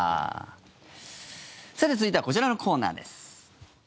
さて、続いてはこちらのコーナーです。